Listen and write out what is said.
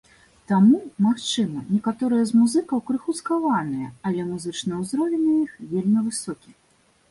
Таму, магчыма, некаторыя з музыкаў крыху скаваныя, але музычны ўзровень у іх вельмі высокі.